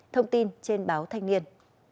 thông tin trên báo thanh niên